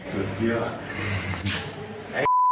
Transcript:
สุดเกี้ยว